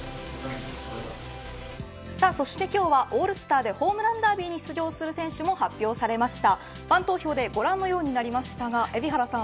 そして今日はオールスターでホームランダービーに出場する選手も発表されました。